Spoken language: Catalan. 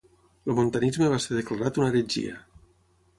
El montanisme va ser declarat una heretgia.